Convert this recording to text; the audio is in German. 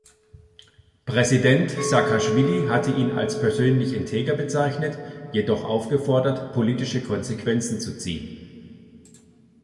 Präsident Saakaschwili hatte ihn als persönlich integer bezeichnet, jedoch aufgefordert, politische Konsequenzen zu ziehen.